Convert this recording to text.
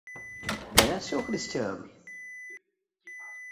Messi ou Cristiano?